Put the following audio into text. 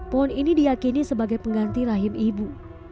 pohon ini diakini sebagai pengganti rahim ibu